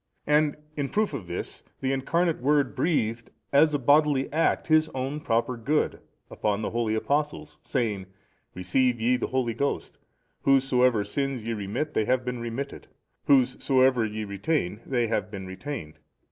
And in proof of this the Incarnate Word breathed, as a bodily act, His own proper good, upon the holy Apostles saying, Receive ye the Holy Ghost, whosesoever sins ye remit they have been remitted, whosesoever ye retain they have been retained.